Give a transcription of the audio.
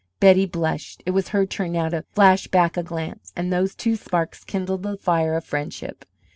Betty blushed. It was her turn now to flash back a glance; and those two sparks kindled the fire of friendship.